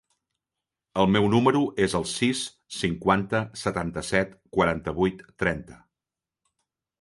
El meu número es el sis, cinquanta, setanta-set, quaranta-vuit, trenta.